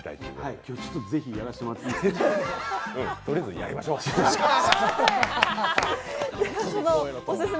今日ぜひやらせてもらっていいですか？